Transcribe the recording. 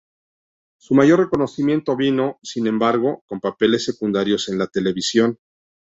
Su mayor reconocimiento vino, sin embargo, con papeles secundarios en la televisión.